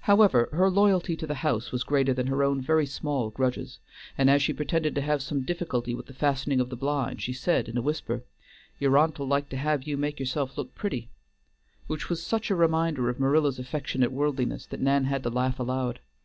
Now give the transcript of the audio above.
However, her loyalty to the house was greater than her own very small grudges, and as she pretended to have some difficulty with the fastening of the blind, she said in a whisper, "Y'r aunt'll like to have you make yourself look pretty," which was such a reminder of Marilla's affectionate worldliness that Nan had to laugh aloud.